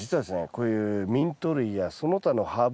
こういうミント類やその他のハーブ類はですね